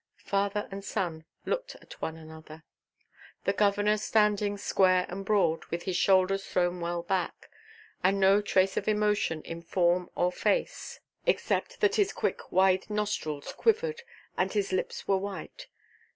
Father and son looked at one another. The governor standing square and broad, with his shoulders thrown well back, and no trace of emotion in form or face, except that his quick wide nostrils quivered, and his lips were white.